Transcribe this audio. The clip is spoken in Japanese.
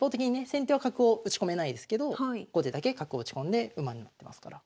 先手は角を打ち込めないですけど後手だけ角を打ち込んで馬になってますから。